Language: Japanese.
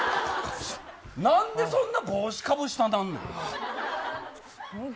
なんでそんな帽子かぶせたがんねん。